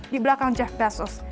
di belakang jeff bezos